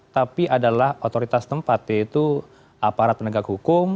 tapi adalah otoritas tempat yaitu aparat penegak hukum